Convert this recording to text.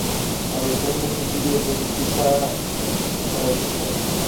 La versión del sencillo es distinta a la original.